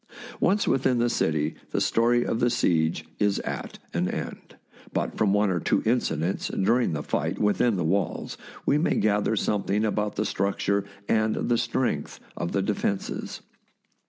THE BOOK OF FAMOUS SIEGES Once within the city, the story of the siege is at an end; but from one or two incidents during the fight within the walls we may gather something about the structure and the strength of the de fences.